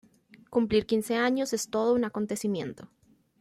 Cumplir quince años es todo un acontecimiento.